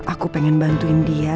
aku pengen bantuin dia